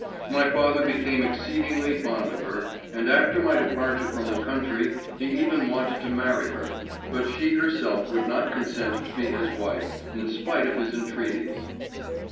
My father became exceedingly fond of her, and after my departure from the country he even wanted to marry her, but she herself would not consent to be his wife, in spite of his entreaties.